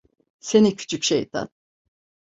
Seni küçük şeytan!